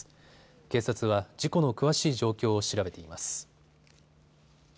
警察は事故の詳しい状況を調べています。